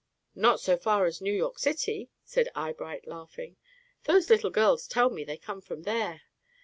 "Not so far as New York city," said Eyebright, laughing. "Those little girls tell me they come from there."